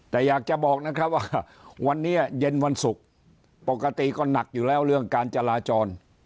แต่อยากจะบอกนะครับว่าวันนี้เย็นวันศุกร์ปกติก็หนักอยู่แล้วเรื่องการจราจร